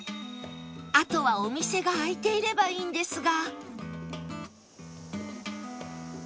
あとはお店が開いていればいいんですが